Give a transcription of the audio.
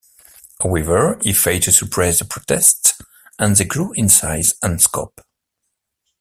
However, he failed to suppress the protests, and they grew in size and scope.